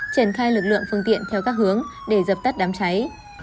triển khai lực lượng phương tiện theo các hướng để dập tắt đám cháy